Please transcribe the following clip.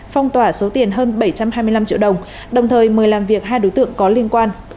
phong tỏa số tiền hơn bảy trăm hai mươi năm triệu đồng đồng thời mời làm việc hai đối tượng có liên quan